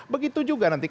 begitu juga nanti